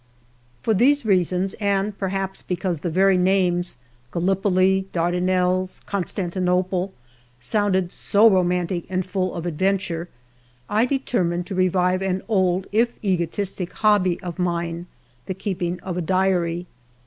For these reasons, and perhaps because the very names Gallipoli, Dardanelles, Constantinople sounded so romantic and full of adventure, I determined to revive an old, if egotistic, hobby of mine the keeping of a diary.